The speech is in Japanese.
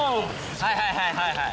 はいはいはいはいはい。